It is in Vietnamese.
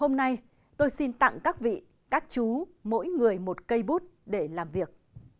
hôm nay tôi xin tặng các vị các chú mỗi người một cây bút để làm việc